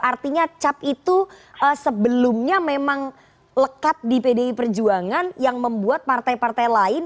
artinya cap itu sebelumnya memang lekat di pdi perjuangan yang membuat partai partai lain